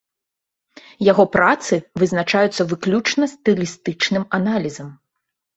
Яго працы вызначаюцца выключна стылістычным аналізам.